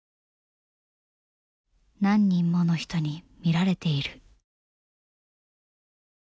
「何人もの人に見られている」。